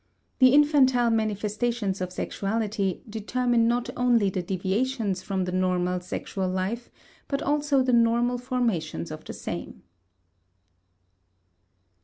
The infantile manifestations of sexuality determine not only the deviations from the normal sexual life but also the normal formations of the same.